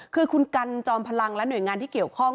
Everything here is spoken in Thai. คือคุณกันจอมพลังและหน่วยงานที่เกี่ยวข้อง